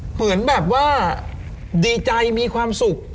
เหมือนแบบว่าดีใจมีความสุข